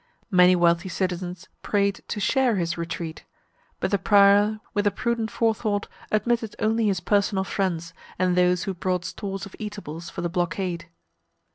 Many wealthy citizens prayed to share his retreat; but the prior, with a prudent forethought, admitted only his personal friends, and those who brought stores of eatables for the blockade.